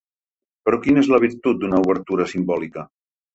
Però quina és la virtut d’una obertura simbòlica?